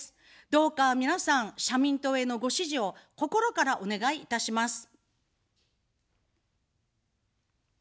どうか皆さん、社民党へのご支持を心からお願いいたします。